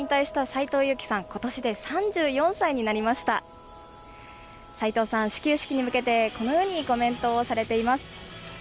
斎藤さん、始球式に向けて、このようにコメントをされています。